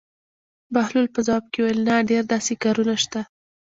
بهلول په ځواب کې وویل: نه ډېر داسې کارونه شته.